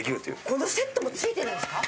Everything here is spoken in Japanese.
このセットも付いてるんですか？